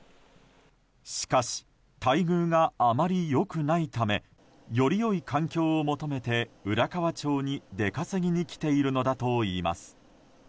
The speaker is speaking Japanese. しかし、待遇があまり良くないためより良い環境を求めて浦河町に出稼ぎに来ているのだといいます。